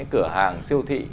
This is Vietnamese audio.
cửa hàng siêu thị